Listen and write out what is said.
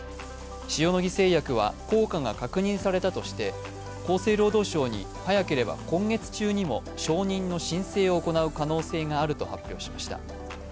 塩野義製薬は効果が確認されたとして厚生労働省に早ければ今月中にも承認の申請を行う可能性があると発表しました。